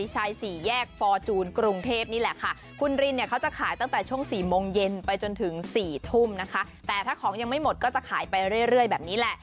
สักวันมันต้องเป็นวันของเรา